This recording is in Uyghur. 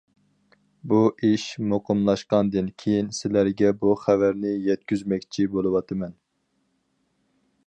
بۇ ئىش مۇقىملاشقاندىن كېيىن، سىلەرگە بۇ خەۋەرنى يەتكۈزمەكچى بولۇۋاتىمەن.